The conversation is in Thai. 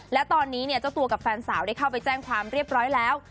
และตอนนี้เนี่ยเจ้าตัวกับแฟนสาวได้เข้าไปแจ้งความเรียบร้อยแล้ว